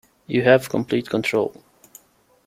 You have complete control.